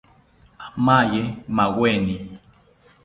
Amaye maweni